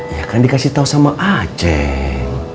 ya kan dikasih tahu sama aceh